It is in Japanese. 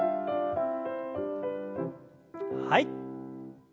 はい。